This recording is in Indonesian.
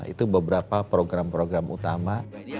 itu beberapa program program utama